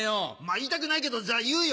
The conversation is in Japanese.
言いたくないけどじゃあ言うよ。